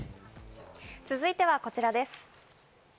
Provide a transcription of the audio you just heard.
続いてはこちらです。